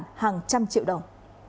tài sản hàng trăm triệu đồng